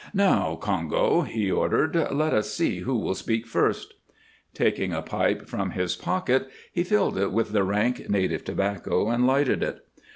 "Now, Congo," he ordered, "let us see who will speak first." Taking a pipe from his pocket, he filled it with the rank native tobacco and lighted it.